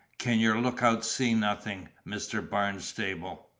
can your lookout see nothing, Mr. Barnstable?"